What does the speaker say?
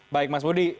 baik mas budi